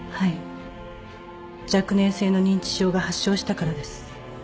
若年性の認知症が発症したからです。